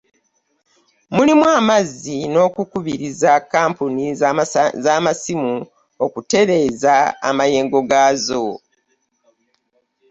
Mulimu, amazzi n'okukubiriza kkampuni z'amasimu okutereeza amayengo gaazo